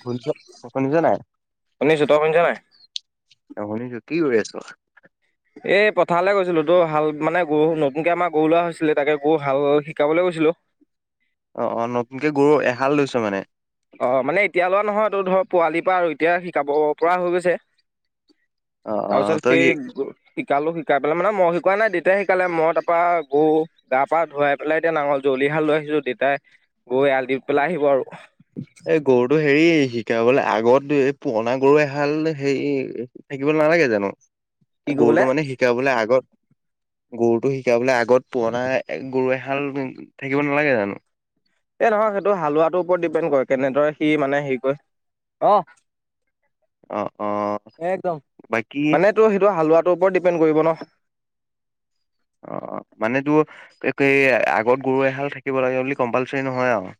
শুনিছ অ', শুনিছ নাই? শুনিছোঁ, তই শুনিছ নাই? শুনিছো, কি কৰি আছ? এই পথাৰলৈ গৈছিলো তোৰ হাল মানে গৰু নতুনকে আমাৰ গৰু লোৱা হৈছিলে তাকে, গৰু হাল শিকাবলৈ গৈছিলো। অ', অ', নতুনকে গৰু এহাল লৈছ মানে? অ', মানে এতিয়া লোৱা নহয় তোৰ ধৰ পোৱালিৰ পৰা আৰু এতিয়া শিকাব পৰা হৈ গৈছে। অ অ তাৰপাছত তই কি সেই শিকালো শিকাই পেলাই মানে মই শিকোৱা নাই দেউতাই শিকালে মই তাৰ পৰা গৰু গা পা ধুৱাই পেলাই এতিয়া নাঙল যুঁৱলিহাল লৈ আহিছো, দেউতাই গৰু এৰাল দি পেলাই আহিব আৰু। এই গৰুটো হেৰি, শিকাবলে আগত এই পুৰণা গৰু এহাল হেৰি থাকিব নালাগে জানো? কি কৰিবলে গৰুটো মানে শিকাবলৈ আগত গৰুটো শিকাবলৈ আগত পুৰণা গৰু এহাল থাকিব নালাগে জানো? এই নহয় সেইটো হালোৱাটোৰ ওপৰত ডিপেণ্ড কৰে, কেনেদৰে সি মানে হেৰি কৰে অ'। অ অ একদম, বাকী মানে তোৰ সেইটো হালোৱাটোৰ ওপৰত ডিপেণ্ড কৰিব ন'? অ', মানে তোৰ একেই আগত গৰু এহাল লাগে বুলি কম্পালচাৰী নহয় আৰু?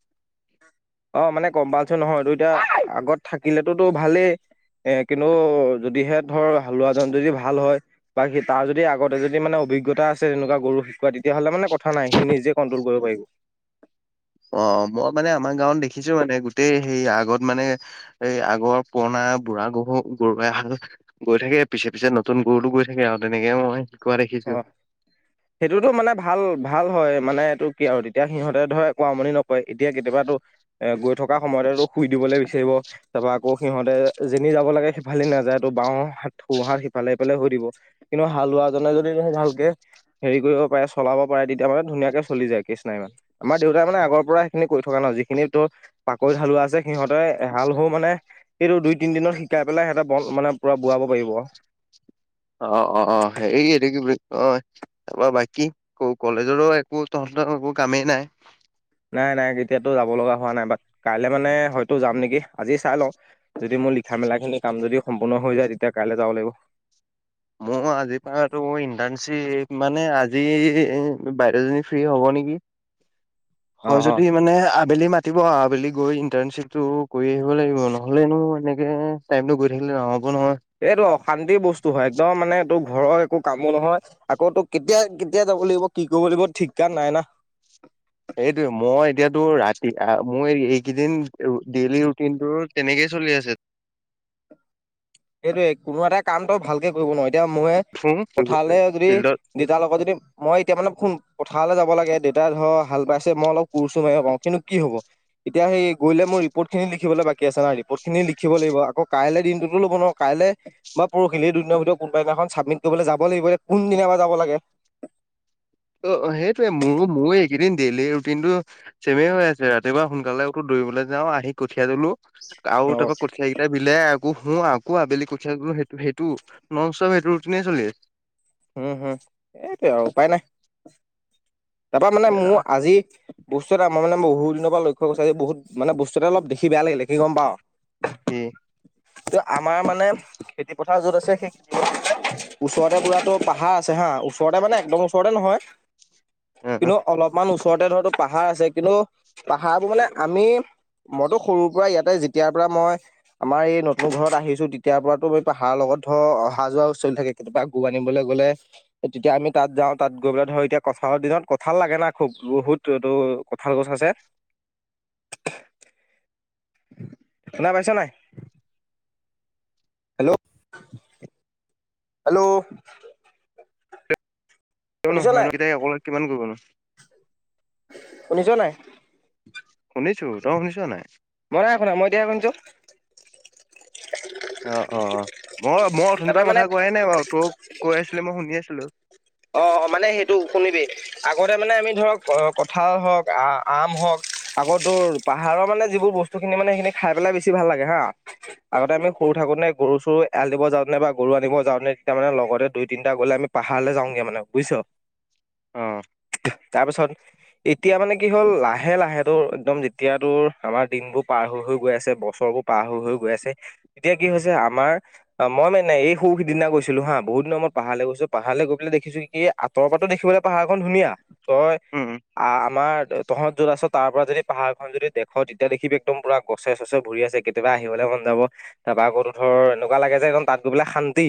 অ', মানে কম্পালচাৰি নহয় তোৰ, এতিয়া আগত থাকিলেতোতো ভালেই। এ কিন্তু যদিহে ধৰ হালোৱা জন যদি ভাল হয়। বা সি তাৰ যদি আগতে যদি মানে অভিজ্ঞতা আছে তেনেকুৱা গৰু শিকোৱা, তেতিয়াহ'লে মানে কথা নাই সি নিজে কণ্ট্ৰল কৰিব পাৰিব। অ', মই মানে আমাৰ গাঁৱত দেখিছো মানে, গোটেই হেই আগত মানে এই আগৰ পুৰণা বুঢ়া গৰু গৰু এহাল গৈ থাকে পিছে পিছে নতুন গৰুতো গৈ থাকে আৰু তেনেকে মই শিকোৱা অ দেখিছো। সেইটোতো মানে ভাল ভাল হয় মানে এইটো কি আৰু তেতিয়া সিহঁতে ধৰ একোৱা আমনি নকৰে, এতিয়া কেতিয়াবাতোৰ এ গৈ থকা সময়তে তোৰ শুই দিবলৈ বিছাৰিব। তাৰ পৰা আকৌ সিহঁতে যেনি যাব লাগে সিফালে নাযায়, তোৰ বাওঁ হাত সোঁহাত সিফালে ইফালে হৈ দিব। কিন্তু হালোৱা জনে যদি ধৰ ভালকে হেৰি কৰিব পাৰে, চলাব পাৰে তেতিয়া মানে ধুনীয়াকে চলি যায় কেচ নাই ইমান। আমাৰ দেউতাই মানে আগৰ পৰা সেইখিনি কৰি থকা ন' যিখিনি তোৰ পাকৈত হালোৱা আছে সিহঁতে এ হাল [unintelligible] মানে এইটো দুই তিন দিনত শিকাই পেলাই ইহতে বন মানে বোৱাব পাৰিব। অ', অ', অ', হেৰি এটো কি বুলি কয় তাৰপৰা বাকী কলেজৰো একো তহতৰ একো কামেই নাই। নাই নাই এতিয়াতো যাব লগা হোৱা নাই বাট, কাইলৈ হয়তো যাম নেকি আজি চাই লওঁ। যদি মোৰ লিখা মেলাখিনি কাম যদি সম্পূৰ্ণ হৈ যায়, তেতিয়া কাইলৈ যাব লাগিব। মোৰ আজিৰ পৰা তোৰ ইণ্টাৰণশ্বিপ মানে, আজি বাইদেউজনী ফ্ৰী হ'ব নেকি! অ হয় অ যদি মানে আবেলি মাত ৰাতিপুৱা আবেলি গৈ ইণ্টাৰ্ণশ্বিপটো কৰি আহিব লাগিব নহ'লেনো এনেকৈ টাইমটো গৈ থাকিলে নহ'ব নহয়। এইটো অশান্তিৰ বস্তু হয়, একদম মানে তোৰ ঘৰৰ একো কামো নহয়। আকৌটো কেতিয়া কেতিয়া যাব লাগিব কি কৰিব লাগিব ঠিক কান নাই না! এইটোয়ে মই এতিয়াতো ৰাতি আহ, মোৰ এইকেইদিন ডেইলি ৰুটিনটো তেনেকেই চলি আছে। সেইটোৱে কোনো এটা কাম তই ভালকে কৰিব নোৱাৰ, এতিয়া মই উঠো পথাৰলৈ যদি ফিল্ডত দেউতাৰ লগত যদি মই এতিয়া মানে শুন পথাৰলৈ যাব লাগে দেউতাই ধৰ হাল বাইছে মই অলপ কোৰ-চোৰ মাৰিব পাৰোঁ, কিন্তু কি হ'ব। এতিয়া সেই গ'লে মোৰ ৰিপৰ্টিনিখিবলৈ বাকী আছে না ৰিপৰ্ট খিনি লিখিব লাগিব, আকৌ কাইলৈ দিনটো ল'ব নহয় কাইলৈ বা পৰহিলে ভিতৰত কোনোবদিনাখন কৰিবলৈ যাব লাগিব, এতিয়া কোনদিনা বা যাব লাগে! অ অ সেইটোয়ে মোৰো মোৰো এইকেইদিন ডেইলি ৰুটিনটো চেমে হৈ আছে, ৰাতিপুৱা সোনকালে উঠো, দৌৰিবলে যাওঁ আহি কঠিয়া তোলো, আৰু অ' তাপা কঠীয়া বিলাই আকৌ শু, আকৌ আবেলি কঠীয়া তোলো, সেইটো সেইটো নন ষ্টপ সেইটো ৰুটিনে চলি আছে। উম, হুম, এইটো এ আৰু উপায় নাই। তাপা মানে মোৰ আজি বস্তু এটা আমাৰ মানে বহু দিনৰ পৰা লক্ষ্য কৰিছো আজি বহুত মানে বস্তু এটা অলপ দেখি কি বেয়া লাগিলে, কি গম পাৱ কি ত, আমাৰ মানে খেতি পথাৰ য'ত আছে সেই ওচৰতে বুৱা তোৰ পাহাৰ আছে হা, ওচৰতে মানে একদম ওচৰতে নহয়। অ' অ' কিন্তু অলপমান ওচৰতে ধৰ তোৰ পাহাৰ আছে, কিন্তু পাহাৰবোৰ মানে আমি মইতো সৰুৰ পা ইয়াতে যেতিয়াৰ পৰা মই আমাৰ এই নতুন ঘৰত আহিছো তেতিয়াৰ পৰা তোৰ পাহাৰৰ লগত ধৰ অহা যোৱা চলি থাকে। কেতিয়াবা গৰু আনিবলে গ'লে তেতিয়া তাত যাওঁ তাত গৈ পেলাই ধৰ এতিয়া কঁঠালৰ দিনত কঁঠাল লাগে না খুব বহুত এইটো কঁঠাল গছ আছে। শুনা পাইছ নাই? হেল্ল হেল্লৌ তেও শুনিছ নহয় নয়, নাই ইহত কেটাই অকলে কিমান কৰিব নো? শুনিছ নাই? শুনিছো, তই শুনিছ নাই? মই নাই শুনা, মই এতিয়াহে শুনিছোঁ। অ অ, মই-মই অথনিৰ তাৰপৰা পৰা মানে কথা কোৱাই নাই বাৰু তোক কৈ আছিলি, মই শুনি আছিলো। অ-অ, মানে সেইটো শুনিবি। আগতে মানে আমি ধৰক কঠাল, হওক আ- আম হওক, আকৌ তোৰ পাহাৰৰ মানে যিবোৰ বস্ বস্তুখিনি মানে সেইখিনি খাই পেলাই বেছি ভাল লাগে হা। আগতে আমি সৰু থাকোতেনে গৰু চৰু এৰাল দিব যাওঁতেনে বা গৰু আনিব যাওঁতে তেতিয়া মানে লগতে দুই তিনিটা গ'লে আমি পাহাৰলে যাওঁগে মানে বুইছ। অঁ তাৰপিছত, এতিয়া মানে কি হ'ল লাহে লাহে তোৰ একদম যেতিয়া তোৰ আমাৰ দিনবোৰ পাৰ হৈ-হৈ গৈ আছে, বছৰবোৰ পাৰ হৈ-হৈ গৈ আছে, এতিয়া কি হৈছে আমাৰ অ মই মানে এই সৌ সিদিনা গৈছিলোঁ হা, বহুত দিনৰ মূৰত পাহাৰলে গৈছোঁ, পাহাৰলে গৈ পেলাই দেখ দেখিছো কি, আঁতৰ পা ত দেখিবলৈ পাহাৰখন ধুনীয়া, তই উম উম, আ আমাৰ তহঁত যত আছ তাৰ পৰা যদি পাহাৰখন যদি দেখ তেতিয়া দেখিবি একদম পুৰা গছে চছে ভুৰি আছে, কেতিয়াবা আহিবলে মন যাব। তাপা আকৌ তোৰ ধৰ এনেকুৱা লাগে যে একদম তাত গৈ পেলাই শান্তি।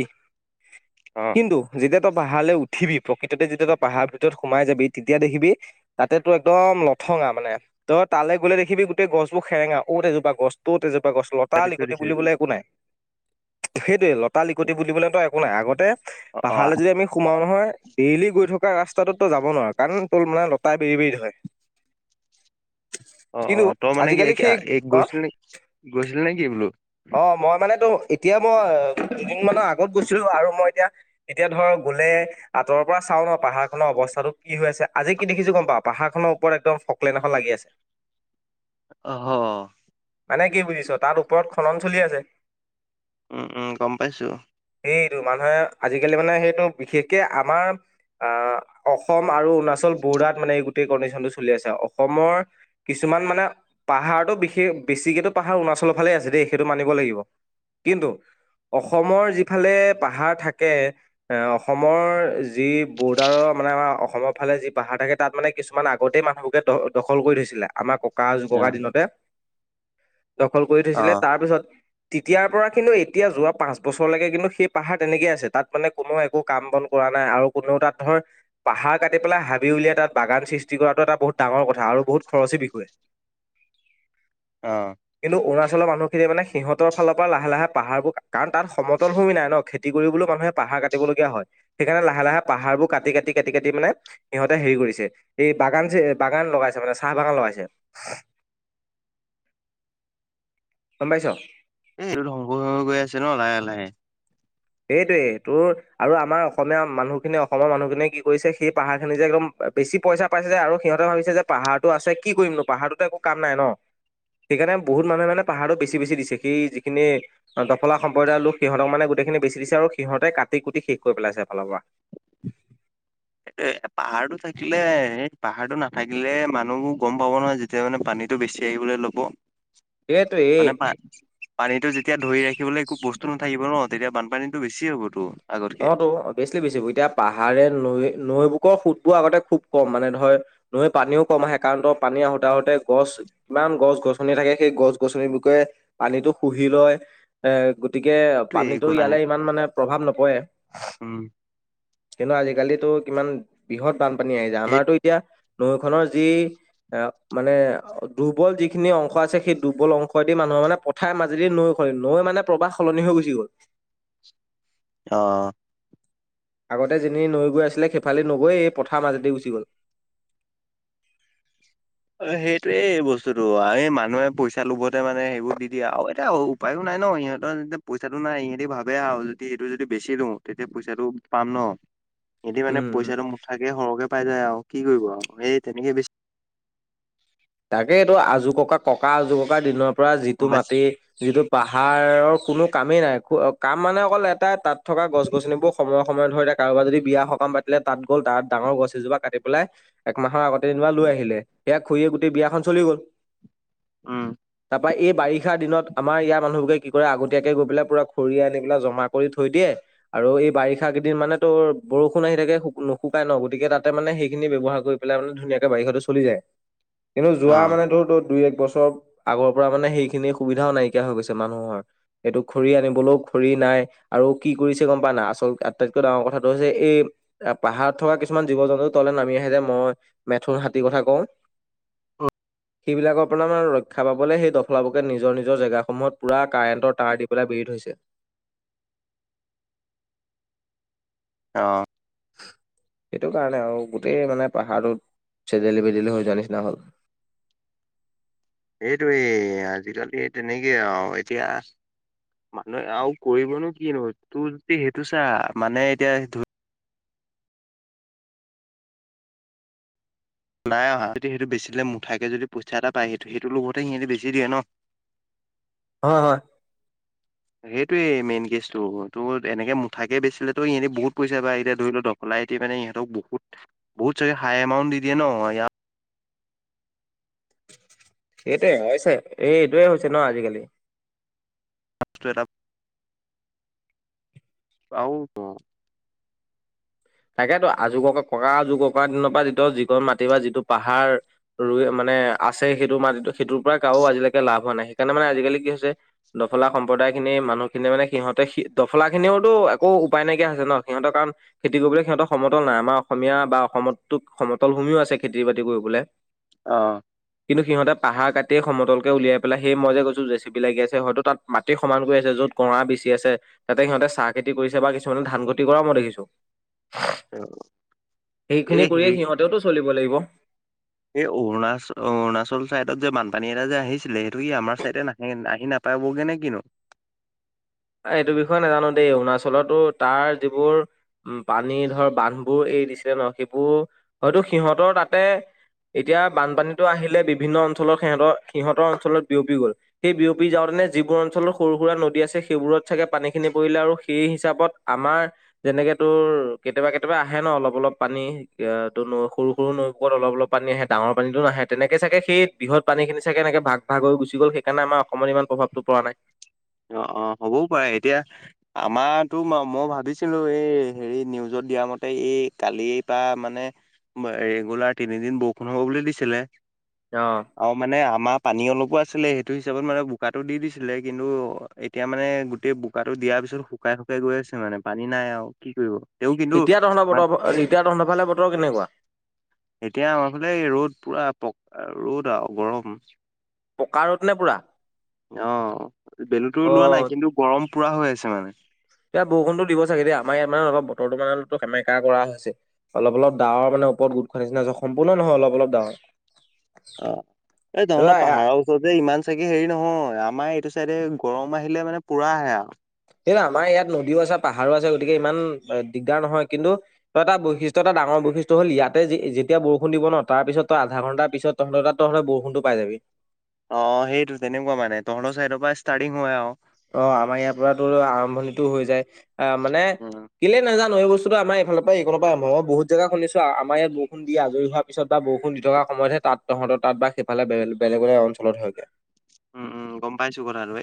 অ কিন্তু যেতিয়া তই পাহাৰলে উঠিবি, প্ৰকৃততে যেতিয়া তই পাহাৰ ভিতৰত সোমাই যাবি তেতিয়া দেখিবি তাতে তোৰ একদম লথঙা মানে। তই তালে গ'লে দেখিবি গোটেই গছবোৰ সেৰেঙা, অত এজোপা গছ তত এজোপা গছ। লতা কাটি থৈ লিকতি দিছে বুলিবলে একো নাই, সেইটোৱে লতা লিকতি বুলিবলে একো নাই আগতে অ অ পাহালে যদি আমি সোমাও নহয়, ডেইলী গৈ থকা ৰাস্তাটোত তই যাব নোৱাৰো কাৰণ তোৰ মানে লতাই বেৰি বেৰি ধৰে। অ-অ, কিন্তু তই মানে কি আজিকালি এইক সেই এইক অ গৈছি‌লি গৈছিলি নে কি বোলো? অ, মই মানে তোৰ এতিয়া মই দুদিন মানৰ আগত গৈছিলো আৰু মই এতিয়া এতিয়া ধৰ গলে আঁতৰ পা চাও ন পাহাৰখনৰ অৱস্থাটো কি হৈ আছে, আজি কি দেখিছো গম পাও পাহাৰখনৰ ওপৰত একদম ফক্লেন এখন লাগি আছে। অঁহ। মানে কি বুজিছ? তাত ওপৰত খনন চলি আছে। উম উম গম পাইছোঁ। সেইটো মানুহে আজিকালি মানে সেইটো বিশেষকে আমাৰ- আঁহ অসম আৰু অৰুণাচল বৰদাত মানে এই গোটেই কণ্ডিচনটো চলি আছে। অসমৰ- কিছুমান মানে পাহাৰটো বিশেষ বেছিকেটো পাহাৰ অৰুণাচলৰ ফালেই আছে দেই। সেইটো মানিব লাগিব। কিন্তু অসমৰ যিফালে পাহাৰ থাকে- এঁ অসমৰ যি বৰ্ডাৰৰ মানে আমাৰ অসমৰ ফালে যি পাহাৰ থাকে- তাত মানে কিছুমান আগতেই মানুহবোৰে দ দখল কৰি থৈছিলে, আমাৰ ককা আঁযু ককা দিনতে। দখল কৰি অ থৈছিলে তাৰ পিছত- তেতিয়াৰ পৰা কিন্তু এতিয়া যোৱা পাঁচ বছৰলেকে কিন্তু সেই পাহাৰ তেনেকেই আছে তাত মানে কোনো একো কাম বন- কৰা নাই আৰু কোনেও তাত ধৰ- পাহাৰ কাটি পেলাই হাবি উলিয়াই তাত বাগান সৃষ্টি কৰাটো এটা বহুত ডাঙৰ কথা আৰু বহুত খৰচী বিষয়। অঁ' কিন্ত অৰুণাচলৰ মানুহ- তেতিয়া মানে সিহঁতৰ ফালৰ পৰা লাহে লাহে পাহাৰবোৰ কাৰণ তাত সমতল ভূমি নাই ন, খেতি কৰিবলও মানুহে পাহাৰ কাট- কাটিব দিবলগীয়া হয়, সেইকাৰণে লাহে লাহে পাহাৰবোৰ কাটি কাটি কাটি কাটি মানে- সিহঁতে হেৰি কৰিছে, এই বাগান যে বাগান লগাইছে মানে চাহ বাগান লগাইছে। গম পাইছ? এই এইটো ধংস হৈ হৈ গৈ আছে ন লাহে লাহে। এইটোৱেই তোৰ আৰু আমাৰ অসমীয়া মানুহখিনি অসমৰ মানুহখিনিয়ে কি কৰিছে সেই পাহাৰখিনি যে একদম- বা বেছি পইচা পাইছে যে আৰু সিহঁতে ভাবিছে যে পাহাৰটো আছে কি কৰিমনো পাহাৰটোতো একো কাম নাই ন। সেইকাৰণে বহুত মানুহে মানে পাহাৰটো বেছি বেছি দিছে। সেই যিখিনি- দফলা সম্প্ৰদায়ৰ লোক সিহঁতক মানে গোটেইখিনি বেচি দিছে আৰু সিহঁতে কাটি কুটি শেষ কৰি পেলাইছে এফালৰ পৰা। এ পাহাৰটো থাকিলে এই পাহাৰটো নাথাকিলে মানুহবোৰ গম পাব নহয় যেত- তিয়া মানে পানীটো বেছি আহিবলে ল'ব। সেইটোৱেই মানে পা পানীটো যেতিয়া ধৰি ৰাখিবলৈ একো বস্তু নাথাকিব ন- তেতিয়া বানপানীটো বেছি হ'ব তোৰ। অঁ তো অবিয়েশ্লী বেছি হব, এতিয়া পাহাৰে নৈ নৈ বুকৰ সুতবোৰ আগতে খুব কম মানে ধৰ- নৈ পানীও কম আহে কাৰণ তোৰ পানী আহোঁতে আহোঁতে গছ- কিমান গছ গছনি থাকে সেই গছ গছনি বিষয়ে পানীটো শুহি লয়। এ- গতিকে এইটোৱে পানীতো গল ইয়ালে পানীত ইমান মানে প্ৰভাৱ নপৰে। উম' কিন্তু আজিকালিতো কিমান বৃহৎ বানপানী আহি যায়। এই আমাৰতো এতিয়া- নৈখনৰ যি- এ মানে দুৰ্বল যিখিনি অংশ আছে সেই দুৰ্বল অংশ দি মানুহৰ মানে প- থাই মাজেদি নৈ হয়। নৈ মানে প্ৰবাহ সলনি হৈ গুচি গ'ল। অঁ' আগতে যেনি নৈ গৈ আছিলে সেইফালে নগৈ এই পথাৰ মাজেদি গুচি গ'ল। অঁ সেইটোৱে এই বস্তুতোটো এই মানুহে পইচা লোভতে মানে সেইবোৰ দি দিয়ে আৰু এতিয়া অও- উপায়ো নাই ন সিহঁতৰ যেতিয়া পইচাটো নাই সিহঁতি ভাবে আৰু যদি সেইটো যদি বেছি দিওঁ, তেতিয়া পইচাটো- পাম ন? হেঁতি মানে উম। পইচাটো থাকে সৰহ কে পাই যায় আও কি কৰিব আও সেই তেনেকে বেছি- তাকেই এইটো আজো ককা ককা আজো ককা দিনৰ পৰা যিটো গম পাইছ মাটি- যিটো পাহাৰৰ কোনো কামেই নাই। কো কাম মানে অকল এটাই তাত- থকা গছ গছনিবোৰ সময়ে সময়ে ধৰ এতিয়া কাৰোবাৰ যদি বিয়া সকাম পাতিলে তাত গ'ল, তাত ডাঙৰ গছ এজোপা কাটি পেলাই একমাহৰ আগতে যেনিবা লৈ আহিলে, সেয়া খৰীয়ে গোটেই বিয়াখন চলি গল। উম তাৰপৰা এই বাৰিষাৰ দিনত আমাৰ ইয়াৰ মানুহবোৰে কি কৰে আগতীয়াকে গৈ পেলাই পুৰা খৰি আনি পেলাই জমা কৰি থৈ দিয়ে। আৰু এই বাৰিষা কেইদিন মানে তোৰ বৰষুণ আহি থাকে নুশুকাই ন গতিকে তাতে মানে সেইখিনি ব্যৱহাৰ কৰি পেলাই মানে ধুনীয়াকৈ বাৰিষাটো চলি যায়। কিন্তু অ যোৱা মানে ধৰ তোৰ দুই এক বছৰ আগৰপৰা মানে, সেইখিনি সুবিধাও নাইকিয়া হৈ গৈছে মানুহৰ। এইটো খৰি আনিবলও খৰি নাই। আৰু কি কৰিছে গম পা না নাই? আচল আটাইতকৈ ডাঙৰ কথাটো হৈছে, এই এ পাহাৰত থকা কিছুমান জীৱ জন্তু তললে নামি আহে যে, মই মেথোন, হাতী কথা কওঁ। সেইবিলাকৰ পৰা মানে ৰক্ষা পাবলৈ, সেই দখলাবগাত নিজৰ নিজৰ জেগাসমূহত পূৰা কাৰেণ্টৰ তাৰ দি পেলাই বেৰি থৈছে। অহ। সেইটো কাৰণে আৰু, গোটেই মানে পাহাৰত চেদেলি বেদেলি হৈ যোৱা নিচিনা হ'ল। এইটোৱে, আজিকালি তেনেকে আৰু এতিয়া মানুহে আৰু কৰিবনো কিনো, তোৰ যদি সেইটো চা, মানে এতিয়া ধ নাই অহা, যদি সেইটো বেচিদিলে মুঠাকে যদি পইচা এটা পায়, সেইটো সেইটো লগতে সিহঁতি বেচি দিয়ে ন'। হয় হয়। সেইটোৱে মেইন কেছটো, তোৰ এনেকে মুঠাকে বেচিলেতো এনে বহুত পইচা পায়, এতিয়া ধৰি ল' দক সলাই টি মানে ইহঁতক বহুত, বহুত যদি হাই এমাউণ্ট দি দিয়ে ন', ইয়াত এইটোৱে, হৈছে। এই এইটোৱে হৈছে ন' আজিকালি। [unintelligible] এটা আউ, [unintelligible] তাকেতো, আজুককা ককা অযুককা দিনৰ পৰা যিটো, যিকণ মাটি বা যিটো পাহাৰ ৰুই মানে আছে সেইটো মাটিটো, সেইটোৰ পৰা কাৰো আজিলৈকে লাভ হোৱা নাই। সেইকাৰণে মানে আজিকালি কি হৈছে দফলা সম্প্ৰদায়খিনি মানুহখিনি মানে, সিহঁতে সি, দফলাখিনিওতো একো উপায় নাইকিয়া হৈছে ন', সিহঁতৰ কাৰণ খেতি কৰিবলৈ সিহঁতৰ সমতল নাই। আমাৰ অসমীয়া বা অসমততো সমতল ভূমিও আছে খেতি বাতি কৰিবলে। অহ। কিন্তু সিহঁতে পাহাৰ কাটিয়ে সমতলকে উলিয়াই পেলাই, সেই মই যে কৈছোঁ জে চি পি লাগি আছে। ল, হয়তো তাত মাটি সমান কৰি আছে। য'ত কঁৱা বেচি আছে তাতে সিহঁতে চাহ খেতি কৰিছে বা কিছুমানে ধান খেতি কৰাও মই দেখিছোঁ। [unintelligible] এই এইখিনি কৰিয়ে হেৰি সিহঁতেওতো চলিব লাগিব। এই অৰুণাচ, অৰুণাচল চাইডত যে বানপানী এটা যে আহিছিলে সেইটো কি আমাৰ চাইডে না নে আহি নাপাবগে নে কিনো? এই এইটো বিষয়ে নাজানোঁ দেই। অৰুণাচলতো তাৰ যিবোৰ উম, পানী ধৰ বানবোৰ এই দিছিলে ন', সেইবোৰ হয়তো সিহঁতৰ তাতে এতিয়া বানপানীটো আহিলে বিভিন্ন অঞ্চলৰ সিহঁতৰ, সিহঁতৰ অঞ্চলত বিয়পি গল। সেই বিয়পি যাওৰনে যিবোৰ অঞ্চলৰ সৰু সুৰা নদী আছে সি সেইবোৰত চাগে পানীখিনি পৰিলে আৰু সেই হিচাপত আমাৰ যেনেকে তোৰ কেতিয়াবা কেতিয়াবা আহে ন' অলপ অলপ পানী, য়া' ত' ন' সৰু সৰু নৈ কন অলপ অলপ পানী আহে। ডাঙৰ পানীটো নাহে, তেনেকে চাগে সেই ব্ৰহৎ পানীখিনি চাগে এনেকে ভাগ ভাগ হৈ গুচি গ'ল, সেইকাৰণে আমাৰ অসমত ইমান প্ৰভাৱ টো পৰা নাই। অ' অ' হ'বও পাৰে, এতিয়া আমাৰটো ম' মই ভাবিছিলোঁ এই হেৰি, নিউজত দিয়া মতে এই কালি পা মানে ম এই গলা তিনিদিন বৰষুণ হ'ব বুলি দিছিলে। অহ। অ', মানে আমাৰ পানীও লগৱা আছিলে সেইটোও হিচাপত মানে বোকাটো দি দিছিলে। কিন্তু অ', এতিয়া মানে গোটেই বোকাটো দিয়াৰ পিছত শুকাই শুকাই গৈ আছে মানে। পানী নাই আৰু কি কৰিব। তেওঁ কিন্তু এতিয়া তহঁতৰ বতৰ বৰ এতিয়া তহঁতৰ ফালে বতৰ কেনেকুৱা? এতিয়া আমাৰ ফালে ৰ'দ পুৰা পক আৰু ৰ'দ আৰু গৰম। পকা ৰ'দ নে পুৰা? অ', বেলুতো ওলোৱা নাই অ', কিন্তু গৰম পুৰা হৈ আছে মানে। এতিয়া বৰষুণতো দিব চাগে দেই। আমাৰ ইয়াত মানে অলপ বতৰতো মানে অলপতো সেমেকা কৰা হৈছে। অলপ অলপ ডাৱৰ মানে ওপৰত গোট খোৱা নিচিনা হৈছে সম্পূৰ্ণ নহয় অলপ অলপ ডাৱৰ। অ', এই তহঁতৰ পাহাৰৰ তহঁতে ইমান চাগে হেৰি নহয়, আমাৰ এইটো চাইডে গৰম আহিলে মানে পুৰা আহে আৰু। সেইটোৱে আমাৰ ইয়াত নদীও আছে পাহাৰো আছে গতিকে ইমান দিগদাৰ নহয়। কিন্তু তই এটা বৈশিষ্ট্য এটা ডাঙৰ বৈশিষ্ট্য হ'ল ইয়াতে যেতিয়া বৰষুণ দিব ন তাৰ পিছত তই আধা ঘণ্টাৰ পিছত তহঁতৰ তাত তহঁতে বৰষুণটো পাই যাবি। অ', সেইটো তেনেকুৱা মানে তহঁতৰ চাইডৰ পৰা ষ্টাৰ্টিং হয় আৰু। অ', আমাৰ ইয়াৰ পৰা তোৰ আৰম্ভণিটো হৈ যায়। আহ মানে উম কেইলে নাজানো এই বস্তু আমাৰফালৰ পৰা এইকনৰ পৰা আৰম্ভ হয় মই বহুত জেগাত শুনিছো আমাৰ ইয়াত বৰষুণ দি আজৰি হোৱা পিছত বা বৰষুণ দি থকা সময়তহে তাত, তহঁতৰ তাত বা সিফালে বেলেগ বেলেগ অঞ্চলত হয়গে। উম, উম, গম পাইছো কথাটোয়ে।